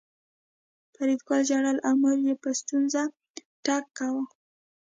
فریدګل ژړل او مور یې په ستونزه تګ کاوه